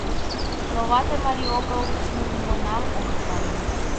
— Но вате-марий огыл улмынам огыт пале.